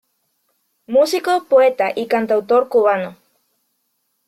Músico, poeta y cantautor cubano.